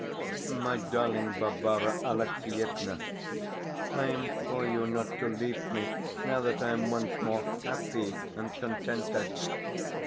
MY DARLING BARBARA ALEXIEVNA, I implore you not to leave me now that I am once more happy and contented.